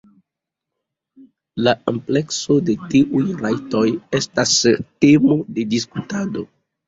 La amplekso de tiuj rajtoj estas temo de diskutado.